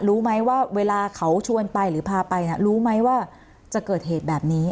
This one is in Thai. รู้ไหมว่าเวลาเขาชวนไปหรือพาไปรู้ไหมว่าจะเกิดเหตุแบบนี้